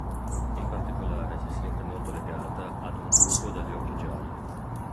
In particolare si sente molto legata ad un lupo dagli occhi gialli.